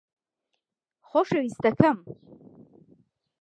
خۆشەویستەکەم